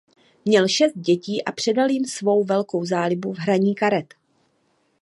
Měl šest dětí a předal jim svou velkou zálibu v hraní karet.